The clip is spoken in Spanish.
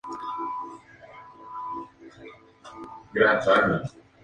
Muchos aprovechaban para llevarse recuerdos como sus dientes, cabellos o trozos de piel.